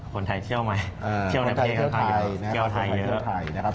คนไทยเที่ยวไหมเที่ยวไทยเที่ยวไทยเยอะ